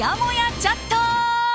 チャット。